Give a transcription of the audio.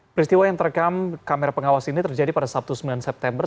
peristiwa yang terekam kamera pengawas ini terjadi pada sabtu sembilan september